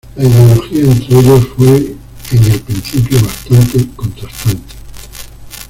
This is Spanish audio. La ideología entre ellos fue en el principio bastante contrastante.